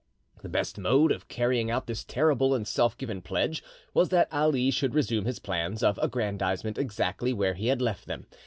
The best mode of carrying out this terrible and self given pledge was that Ali should resume his plans of aggrandizement exactly where he had left them.